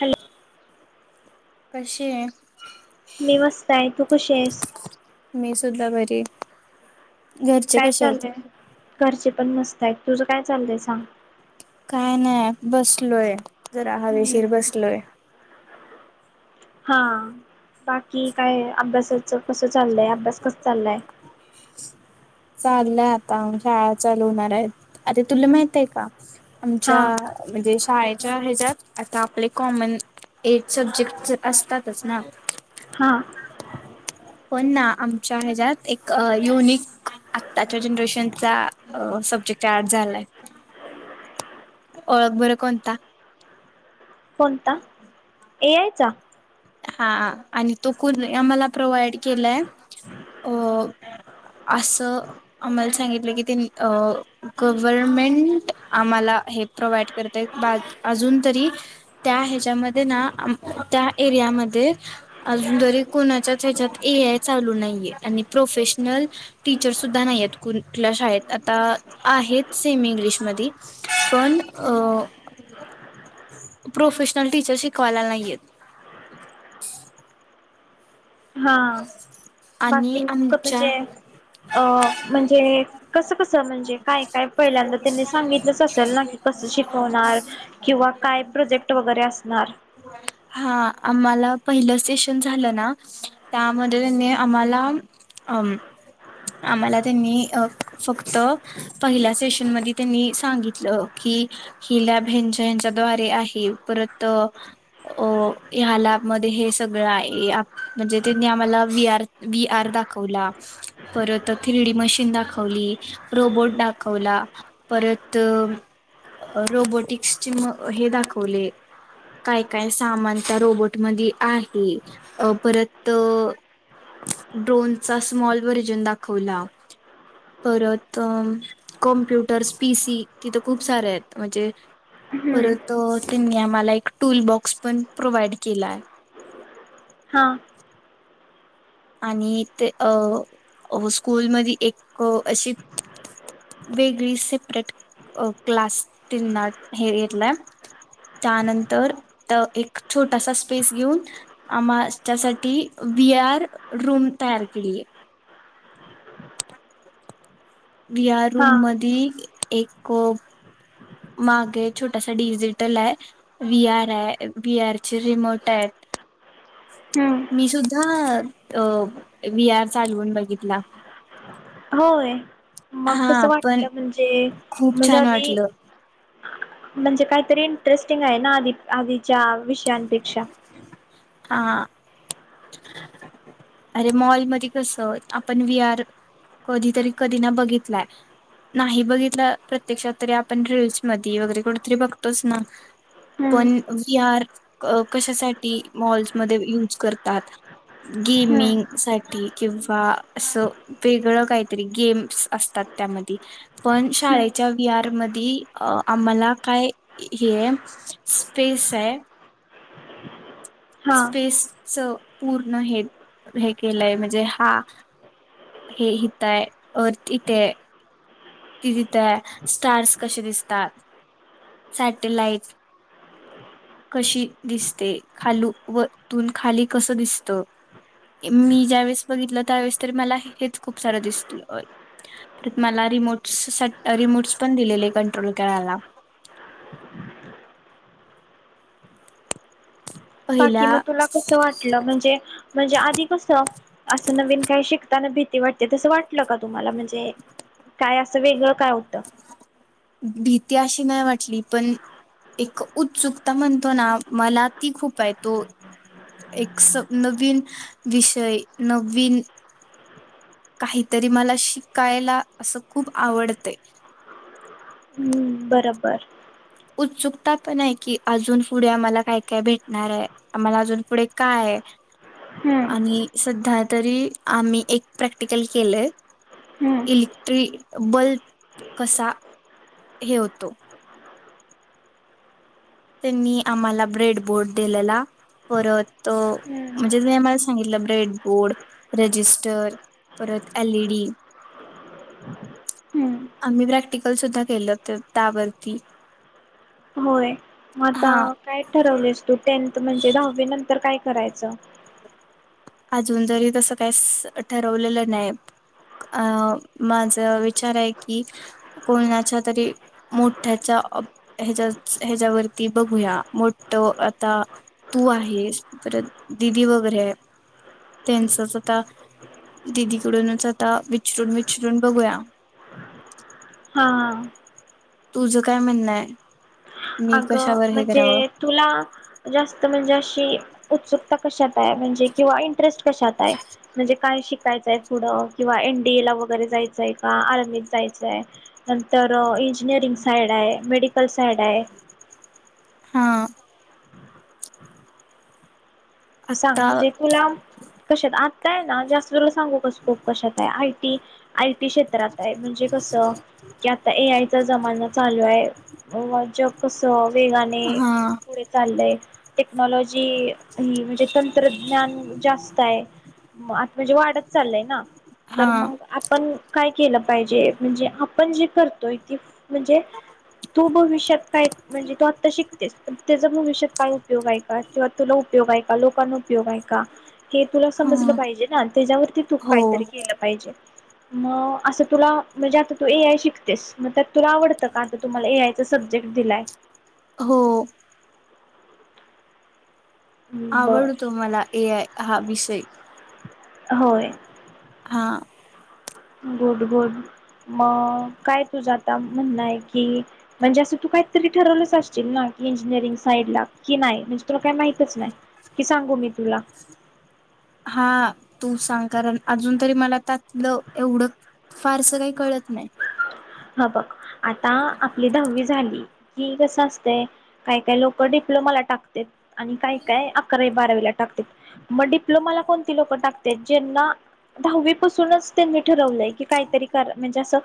Hello कशी आहे? मी मस्त आहे तू कुशी आहेस मी सुद्धा बरी आहे काय चाललंय घरचे पण मस्त आहेत तुझ काय चाललंय सांग काय नाही बसलोय जरा हम्म. हावेशीर बसलोय हा बाकी काय अभ्यास तर कसं चाललंय अभ्यास कस चाललाय चाललंय आता शाळा चालू होणार आहेत आता तुला माहित आहे का हा आमच्या म्हणजे शाळेत कॉलज जात आता आपले कॉमन एथ सब्जेक्ट असतातच ना हा पण ना आमच्याच्यात एक युनिक आत्ताच्या जनरेशनचा सब्जेक्ट एड झालाय ओळख बर कोणता कोणता ए आय चा हा आणि तो खुद आम्हाला प्रोवा्हाइड केलाय अ असं आम्हाला सांगितलं की त्यानी ते गव्हर्मेंट आम्हाला आम्ही है प्रोव्हाइड अजून तरी ते अजुन तरी कोणाच्या यांच्यात ए आय चली चालू नहिए आणि प्रोफेशनल टीचर सुुद्धा नाही आहेत कुठल्या शाळेत आता आहेत सेमि इंग्लिशमध्ये पण अ प्रोफेशनल टीचर शिकवायला नाहीयेत [inaudible] हा बाकी आणि मग म्हणजे आमच्या अ म्हणजे कस कस म्हणजे काय काय पहिल्यांदा तीनि सांगितलंच असेल ना की कस शिकवणार किंवा काय प्रोजेक्ट वगैरे असणार, हा आम्हाला पहिलं सेशन झालं ना त्या मध्ये त्यानी आम्हाला अम आम्हाला त्यांनी फक्त पहिल्या सेशन मधी त्यांनी सांगितलं ही हिला भेंजच्या दवारे आहे परत अ ह्याला मध्ये हे सगळं आहे यामधे म्हणजे त्यांनी आम्हाला व्हीआर दाखवला परत थ्रीडी मशीन दाखवली रोबोट दाखवला परत रोबो टिक्स ची हे दाखवले काय काय सामान त्या रोबोट मध्ये आहे अ परत ड्रोन चा स्मॉल व्हर्जन दाखवला परत अ कॉम्प्युटर पी सी तिथं खूप सारे आहेत म्हणजे हम्म. परत त्यांनी आम्हाला एक टूल बॉक्स पण प्रोव्हाइड केलाय हा आणि ते अ स्कूल मधी एक अशी वेगळी सेपरेट क्लास त्याना हे घेतलाय त्यानंतर त एक छोटासा स्पेस घेऊन आमच्या साठी व्ही आर रूम तयार केली हे व्ही आर हा रूम मढ़ी एक मागे छोटासा डिजिटल आहे व्ही आर आहे व्ही आर चे रिमोट आहे. हा. मी सुद्धा अ वि आर चालवून बघितला. होय मग कस हा पण वाटलं म्हणजे खूप म्हणजे छान आधी वाटलं म्हणजे काहीतरी इंटरेस्टिंग आहे ना आधी आधीच्या विषयांपेक्षा हा [unintelligible] अरे मॉलमध्ये कस आपण विहार कधी तरी कधी ना बघितलाय. नाही बघितलं प्रत्यक्षात तरी आपण रीलस मध्ये वगैरे कुठतरी बघतोच ना. हम्म पण वि आर कशासाठी मॉल्समध्ये यूज करतात. गेमिंग हम्म साठी किंवा असं वेगळं काहीतरी गेम्स असतात. त्यामध्ये पण शाळेच्या वि आर मध्ये अ आम्हाला काय हे स्पेस आहे. हा स्पेसच पूर्ण हे हे केलंय म्हणजे हा हे हीत आहे. ते तिथ स्टार्स कसे दिसतात सॅटेलाईट कशी दिसते खालतून वरती खाली कसं दिसत. मी ज्या वेळेस बघितलं त्यावेळेस तरी मला हेच खूप सार दिस मला रिमोट् रिमोट्स पण दिलेले कंट्रोल करायला. [unintelligible] बाकी मग पहिला तुला कस वाटलं म्हणजे म्हणजे आधी कस असं नवीन काही शिकताना भीती ते वाटते तसं वाटलं का तुम्हाला म्हणजे काय असं वेगळं काय होतं. भीती अशी नाही वाटली पण एक उत्सुकता म्हणतो ना मला ती खूप आहे तो एक स नवीन विषय नवीन काहीतरी मला शिकायला असं खूप आवडतें. हम्म बरोबर उत्सुकता पण आहे की अजून पुढे आम्हाला काय काय भेटणार आहे आम्हाला अजून पुढे कायय हम्म आणि सध्या तरी आम्ही एक प्रॅक्टिकल केलंय. हम्म इलेक्ट्रिक बल्ब कसा हे होतो. त्यांनी आम्हाला ब्रेड बोर्ड दिलेला. परत म्हणजे हम्म जे आम्हाल सांगितलं ब्रेडबोर्ड रजिस्टर परत एलई डी [unintelligible] आम्ही प्रॅक्टिकल सुद्धा केलं त्यावरती होय आता हा काय ठरवलेस तू टेनथ म्हणजे दहावी नंतर काय करायचं. अजून तरी तसं काहीच ठरवलेलं नाही. अ माझ विचार आहे की कोणाच्या तरी मोठ्या हच्या ह्याच्यावरती बघूया मोठ आता तू आहे. परत दिदी वगैरे त्यांचच आता दिदीकडूनच आता विचरून विचरून बघूया. [unintelligible] हा तुझं काय म्हणणं आहे. मी अग कशावर हे करावं? म्हणजे तुला जास्त म्हणजे अशी उत्सुकता कशात आहे, म्हणजे किंवा इंटरेस्ट कशात आहे म्हणजे काय शिकायच. पुढे किंवा एनडीए ला वगैरे जायचंय का आर्मीत जायचंय नंतर इंजिनिअरिंग साईड आहे मेडिकल साईड आहे. हा सांग आत्ता म्हणजे तुला कशात आताय, ना जास्त तला सांगू का स्कोप कशात आहे. आय टी क्षेत्रात आहे म्हणजे, कस की आता ए आय चा जमाना चालू आहे, व जग कस वेगाने हा पुढे चाललंय. टेक्नॉलॉजी ही म्हणजे तंत्रज्ञान जास्त आहे आता म्हणजे वाढत चाललय ना हा तर मग आपण काय केलं पाहिजे म्हणजे आपण जे करतोय ती म्हणजे तू भविष्यात काय म्हणजे तू आता शिकतेस त्याचा भविष्यात काय उपयोग आहे का किंवा तुला उपयोग आहे का लोक उपयोग आहे का हे तुला समजलं हा पाहिजे ना त्याच्यावरती तू हो काहीतरी केलं पाहिजे मग असं तुला म्हणजे आता तू ए आय शिकतेस मग त्यात तुला आवडतं का आता तुमला ए आयच सध जेक्ट दिलाय हो बर आवडतो मला ए आय हा विषय होय हां गुड गुड मग काय तुझं आता म्हणणंय की म्हणजे असं तू काहीतरी ठरवलंच असशील ना इंजिनिअरिंग साईड ला की नाही म्हणजे तुला काही माहितच नाही की सांगू मी तुला हा तू सांग कारण अजून तरी मला त्यातले एवढं फारस काही कळत नाही ह बघ आता आपली दहावी झाली की कस असतंय काय काय लोक डिपेंड डिप्लोमा ला टाकतात आणि काय काय अकरावी बारावीला टाकतात मग डिप्लोमाला कोणती लोक टाकतात ज्यांना दहावीपासूनच त्यांनी ठरवले काहीतरी म्हणजे असं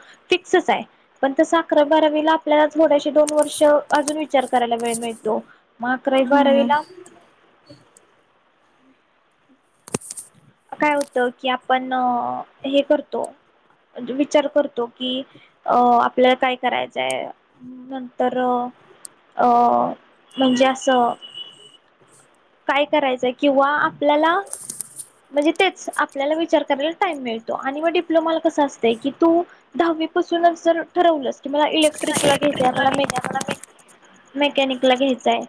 असंच आहे पण तसा अकरावी बारावीला आपल्याला थोडीशी दोन वर्ष अजून विचार करायला वेळ मिळतो मग अकरावी हम्म बारावीला काय होतं की आपण हे करतो विचार करतो कि अं आपल्याला काय करायचंय नंतर म्हणजे असं काय करायचं किंवा आपल्याला म्हणजे तेच मग आपल्याला विचार करायला टाईम मिळतो आणि मग डिप्लोमाला कसं असतं की तू दहावी पूर्वी पासूनच जर ठरवलं इलेक्ट्रिक किंवा मेकॅनिकल घ्यायचे म का मेकॅनिकला घ्यायचंय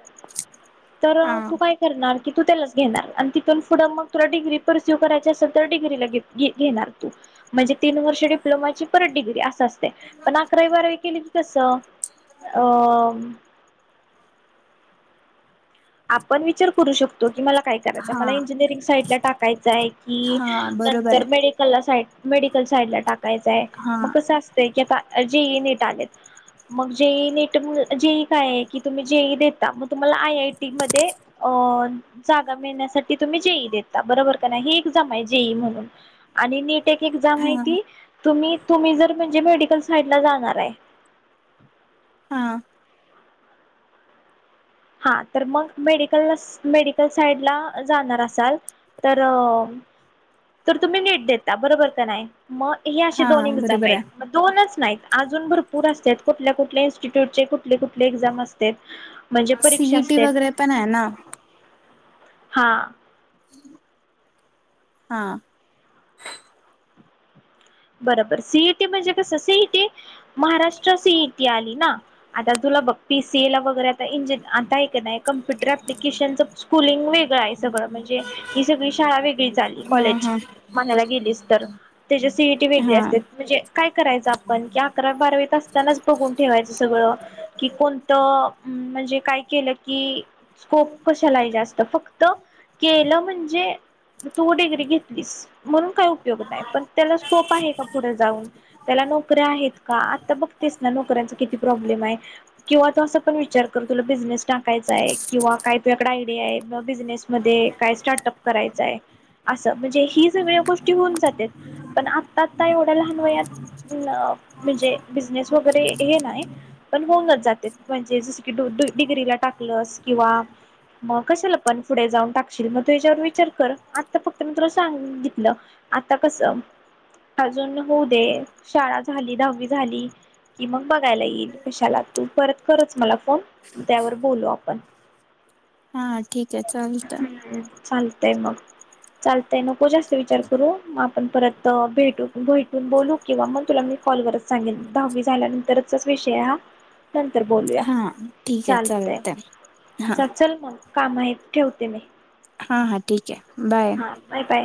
तर हा तू काय करणार की तू त्यालाच घेणार आणि तिथून पुढे मग तू डिग्री पर्सिव्ह करायचे असेल तर डिग्रीला घेणार म्हणजे तीन वर्ष डिप्लोमाची परत डिग्री अस असते पण अकरावी बारावी केली की कस अ आपण विचार करू शकतो की मला काय करायचं हा मला इंजिनिअरिंग साईडला टाकायचं आहे कि हा बरोबर नंतर आहे. मेडिकल सा मेडिकल साईड ला टाकायचंय हा मग कस असत जेई नीट आलेत मग जे नीट मग जे येईल नीट जे ही देता मग आयआयटी मध्ये जागा मिळण्यासाठी तुम्ही जेईई देता बरोबर का नाही ही एक्झाम आहे जेईई आणि नीट एक एक्झाम आहे हा की तुम्ही जर म्हणजे मेडिकल साईडला जाणार आहे [unintelligible] हा हा तर मग मेडिकल मेडिकल साईड ला जाणार असाल तर तर तुम्ही नीट देता बरोबर का नाही मग हे असे हा दोन एक्झाम बरोबर आहेत आहे. म दोनच नाहीत अजून भरपूर असतात कुठल्या कुठल्या इन्स्टिट्यूटचे कुठले कुठले एक्झाम असतेात म्हणजे परीक्षा सीईटी असते वगैरे पण आहे ना? हा हा बरोबर सीईटी म्हणजे कसं सीईटी महाराष्ट्र सीईटी आली ना आता पीसीए ला वगैरे आता आहे का नाही कम्प्युटर अप्लिकेशनच स्कूलिंग वेगच वेगळा आहे म्हणजे ही सगळी शाळा वेगळीच आली हा कॉलेजची, हा म्हणायला गेलीस तर तेचे सीईटी वेगळे हा असते म्हणजे काय करायचं, आपण कि अकरावी बारावीत असतानाच बघून ठेवायचं सगळं. कि कोणतं म्हणजे काय केलं, की स्कोप कशालाय जास्त. फक्त केलं म्हणजे तू डिग्री घेतलीस म्हणून काही उपयोग नाही, पण त्याला स्कोप आहे का! पुढे जाऊन त्याला नोकऱ्या आहेत का, आता बघतेस ना नोकऱ्यांचा किती प्रॉब्लेम किंवा तू असा पण विचार कर तुला बिजनेस टाकायचाय, किंवा काय तुझ्याकडे आयडिया बिझनेस मध्ये काय स्टाटअप करायच, अस म्हणजे ही सगळ गोष्टी होऊन जात्यात. पण आत्ता आता एवढं लहान वयात म्हणजे बिझनेस वगैरे हे नाय पण होऊनच जाते, म्हणजे जस की दूध डिग्रीला टाकलस किंवा मग कशाला पण पुढे जाऊन टाकशील, मग तू याच्यावर विचार कर आत्ता फक्त मी तुला सांगीतलं. आता कस अजून होऊ दे शाळा झाली, दहावी झाली कि मग बघायला येईल. कशाला तू परत करच मला फोन त्यावर बोलू आपण. [inaudible] हा ठीके चालत. हम्म चालतय मग, चालतय नको जास्त विचार करू म आपण परत त भेटू भेटून बोलू किंवा मग तुला मी कॉल वरच सांगेन दहावी झाल्यानंतरचाच विषय हा. नंतर बोलूया हा ठीक आहे चालतय हा च चल मग. काम, आहेत ठेवते मी. हा हा ठीके बाय. हा बाय बाय